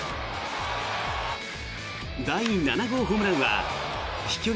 第７号ホームランは飛距離